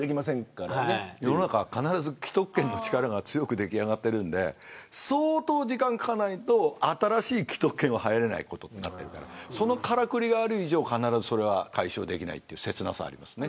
世の中は既得権の力が強くできあがってるんで相当時間をかけないと新しい既得権は入れないからそのカラクリがある以上それは解消できないという切なさがありますね。